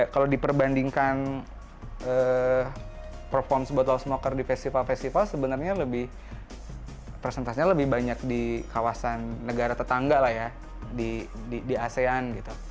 kalau diperbandingkan perform bottle smoker di festival festival sebenarnya lebih presentasinya lebih banyak di kawasan negara tetangga lah ya di asean gitu